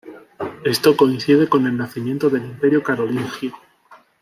Esto coincide con el nacimiento del Imperio carolingio.